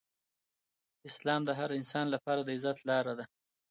اسلام د هر انسان لپاره د عزت لاره ده.